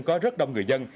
có rất đông người dân